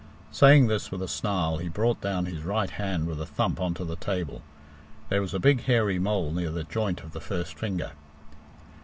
Saying this with a snarl, he brought down his right hand with a thump on to the table. There was a big hairy mole near the joint of the first finger.